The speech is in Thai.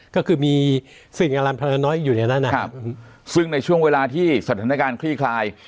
ก็คือมีสิ่งอลันพลังน้อยอยู่ในนั้นนะครับซึ่งในช่วงเวลาที่สถานการณ์คลี่คลาย